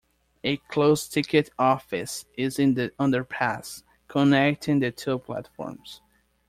A closed ticket office is in the underpass connecting the two platforms.